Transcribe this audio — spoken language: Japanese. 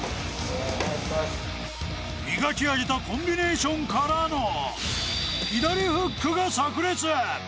磨き上げたコンビネーションからの左フックがさく裂。